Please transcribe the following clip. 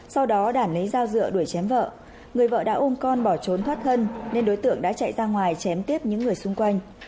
sau đó đảm lấy dao dựa đuổi chém vợ người vợ đã ôm con bỏ trốn thoát thân nên đối tượng đã chạy ra ngoài chém tiếp những người xung quanh